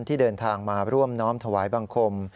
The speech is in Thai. ที่เดินทางมาร่วมน้อมถวายบังคม